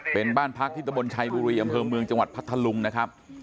เป็นบ้านพักที่ตะบนชัยบุรีอำเภอเมืองจังหวัดพัทธลุงนะครับ